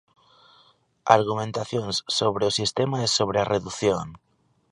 Argumentacións sobre o sistema e sobre a redución.